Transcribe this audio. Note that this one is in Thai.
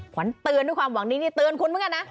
ขวัญเตือนด้วยความหวังนี้นี่เตือนคุณเหมือนกันนะ